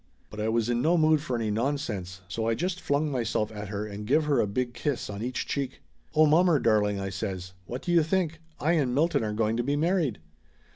But I was in no mood for any nonsense, so I just flung myself at her and give her a big kiss on each cheek. "Oh, mommer darling!" I says. "What do you think? I and Milton are going to be married!"